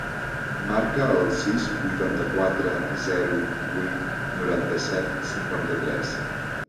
Marca el sis, vuitanta-quatre, zero, vuit, noranta-set, cinquanta-tres.